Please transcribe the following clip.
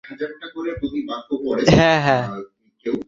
প্রথমত অন্য সব দেশে শ্রেষ্ঠ সম্মান লাভ করেন অস্ত্রধারী ক্ষত্রিয়েরা।